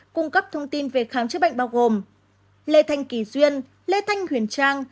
cung cấp thông tin về khám chữa bệnh bao gồm lê thanh kỳ duyên lê thanh huyền trang